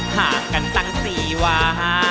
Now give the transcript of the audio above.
หากันตั้งสี่วา